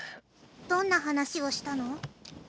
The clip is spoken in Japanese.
どんな話をしたの？